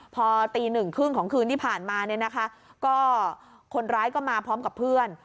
พอตีหนึ่งครึ่งของคืนที่ผ่านมาเนี่ยนะคะก็คนร้ายก็มาพร้อมกับเพื่อน